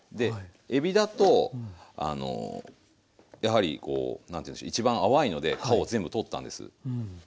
えびだとやはりこう何て言うんでしょう一番淡いので皮を全部取ったんです。